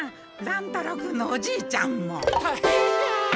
乱太郎君のおじいちゃんも。